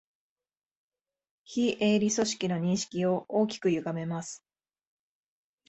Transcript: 非営利組織の認識を大きくゆがめます